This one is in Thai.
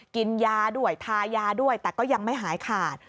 กินยาด้วยทายาด้วยแต่ก็ยังไม่หายขาด